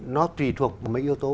nó tùy thuộc mấy yếu tố